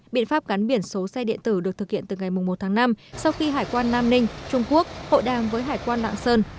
biện pháp gắn biển số xe điện tử được thực hiện từ ngày một tháng năm sau khi hải quan nam ninh trung quốc hội đàm với hải quan lạng sơn